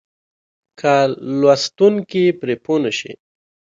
که لوستونکی پرې پوه نه شي.